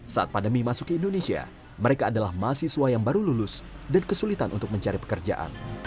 saat pandemi masuk ke indonesia mereka adalah mahasiswa yang baru lulus dan kesulitan untuk mencari pekerjaan